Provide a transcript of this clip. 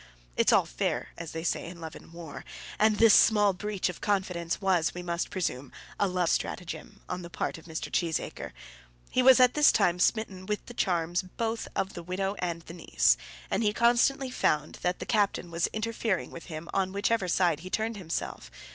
It's all fair, they say, in love and war, and this small breach of confidence was, we must presume, a love stratagem on the part of Mr. Cheesacre. He was at this time smitten with the charms both of the widow and of the niece, and he constantly found that the captain was interfering with him on whichever side he turned himself.